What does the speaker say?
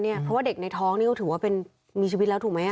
เพราะว่าเด็กในท้องนี่ก็ถือว่าเป็นมีชีวิตแล้วถูกไหม